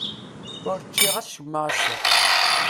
Ur ččiɣ acemma ass-a.